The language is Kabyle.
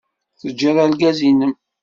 Teǧǧid argaz-nnem.